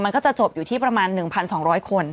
มันก็จะจบอยู่ที่ประมาณ๑๒๐๐คน